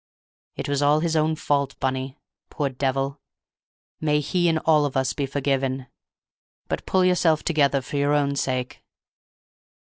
"It was all his own fault, Bunny. Poor devil! May he and all of us be forgiven; but pull yourself together for your own sake.